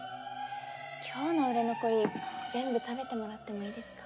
今日の売れ残り全部食べてもらってもいいですか？